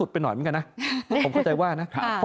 ผมเข้าใจว่านะ